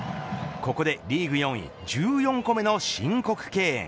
ここでリーグ４位、１４個目の申告敬遠。